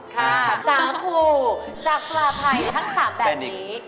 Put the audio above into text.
ค่ะสาครูจักรภัยทั้ง๓แบบนี้